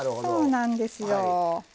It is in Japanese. そうなんですよ。